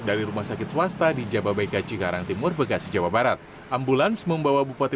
dari rumah sakit swasta di jababeka cikarang timur bekasi jawa barat ambulans membawa bupati